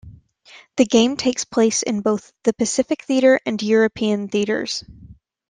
The game takes place in both the Pacific Theatre and European Theatres.